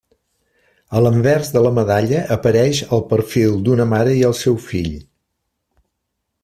A l'anvers de la medalla apareix el perfil d'una mare i el seu fill.